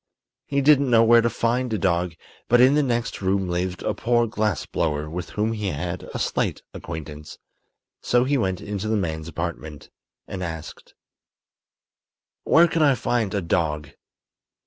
He didn't know where to find a dog, but in the next room lived a poor glass blower with whom he had a slight acquaintance; so he went into the man's apartment and asked: "Where can I find a dog?"